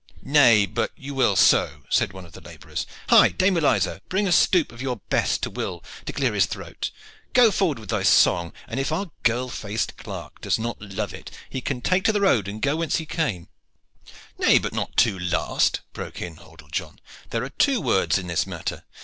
"Nay, but you will so," said one of the laborers. "Hi, Dame Eliza, bring a stoup of your best to Will to clear his throat. Go forward with thy song, and if our girl faced clerk does not love it he can take to the road and go whence he came." "Nay, but not too fast," broke in Hordle John. "There are two words in this matter.